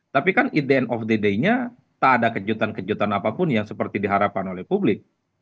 tapi kan ident of the day nya tak ada kejutan kejutan apapun yang seperti diharapkan oleh publik